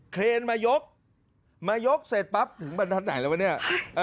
เครนมายกมายกเสร็จปั๊บถึงบรรทัศน์ไหนแล้ววะเนี่ย